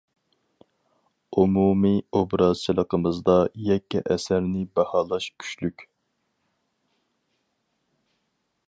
ئومۇمىي ئوبزورچىلىقىمىزدا يەككە ئەسەرنى باھالاش كۈچلۈك.